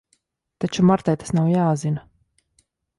Taču Martai nav tas jāzina.